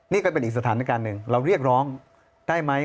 นี่ก็เป็นอีกสถานการณ์หนึ่งเราเรียกร้องได้ไหม